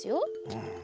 うん。